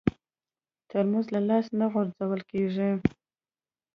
ترموز له لاسه نه غورځول کېږي.